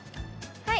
はい。